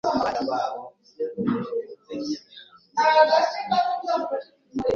Numvaga ari ngombwa, nuko ndabikora.